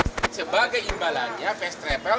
syahrini tidak pernah terima uang lima perak pun dari first travel